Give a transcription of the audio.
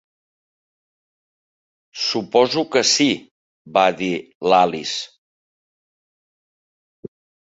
"Suposo que sí", va dir l'Alice.